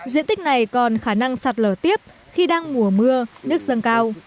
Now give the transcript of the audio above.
diện tích này còn khả năng sạt lở tiếp khi đang mùa mưa nước dâng cao